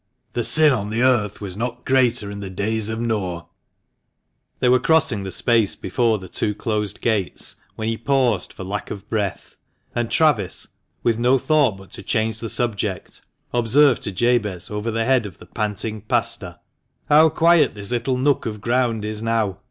The sin on the earth was not greater in the days of Noah !" They were crossing the space before the two closed gates when he paused for lack of breath, and Travis, with no thought but to change the subject, observed to Jabez, over the head of the panting Pastor " How quiet this little nook of ground is now